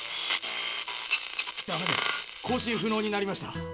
ダメです交信不能になりました。